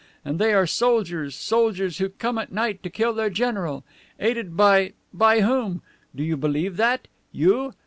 And they are soldiers soldiers who come at night to kill their general. Aided by by whom? Do you believe that? You?